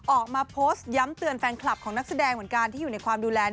ออกมาโพสต์ย้ำเตือนแฟนคลับของนักแสดงเหมือนกันที่อยู่ในความดูแล